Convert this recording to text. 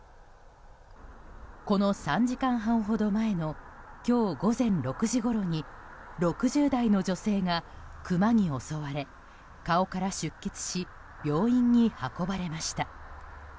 この３時間半ほど前の今日午前６時ごろに６０代の女性がクマに襲われ顔から出血し病院に運ばれました。